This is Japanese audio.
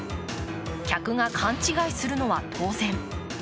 客が勘違いするのは当然。